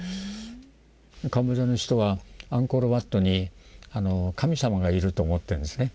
カンボジアの人はアンコール・ワットに神様がいると思ってるんですね。